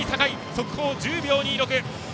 速報１０秒２６。